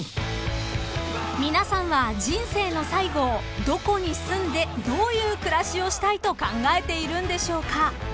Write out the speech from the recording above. ［皆さんは人生の最後をどこに住んでどういう暮らしをしたいと考えているんでしょうか？］